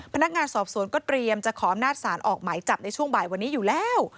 พนักงานสอบสวนก็เตรียมจะขออำนาจศาลออกหมายจับในช่วงบ่ายวันนี้อยู่แล้ว